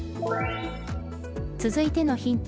続いてのヒント